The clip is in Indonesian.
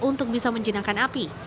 untuk bisa menjinakkan api